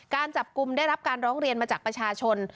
การจับกลุ่มได้รับการร้องเรียนมาจากประชาชน